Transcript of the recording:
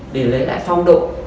để lấy lại phong độ